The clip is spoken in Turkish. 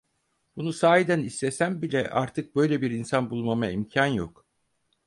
Bunu sahiden istesem bile artık böyle bir insan bulmama imkân yok.